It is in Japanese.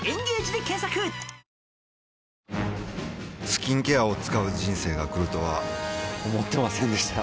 スキンケアを使う人生が来るとは思ってませんでした